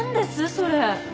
それ。